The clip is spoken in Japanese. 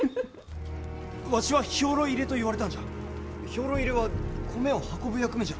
わしは兵糧入れと言われたんじゃ兵糧入れは米を運ぶ役目じゃろ？